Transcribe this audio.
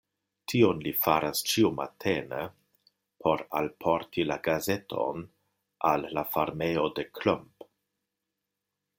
Tion li faras ĉiumatene por alporti la gazeton al la farmejo de Klomp.